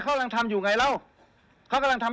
เฉยปล่อยอย่าตั้งไป